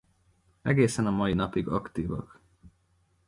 Egészen a mai napig aktívak.